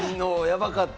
やばかった。